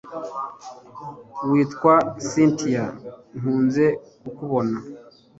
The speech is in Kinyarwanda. witwa cyntia nkunze kubona